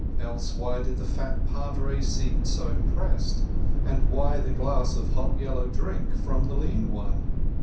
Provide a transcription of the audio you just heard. Else why did the fat padre seem so impressed, and why the glass of hot yellow drink from the lean one?